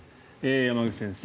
山口先生